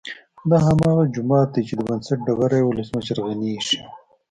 دا هماغه جومات دی چې د بنسټ ډبره یې ولسمشر غني ايښې وه